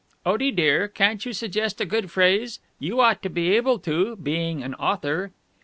Otie, dear, can't you suggest a good phrase? You ought to be able to, being an author."